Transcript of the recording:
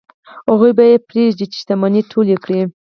هغوی به یې پرېږدي چې شتمنۍ ټولې کړي.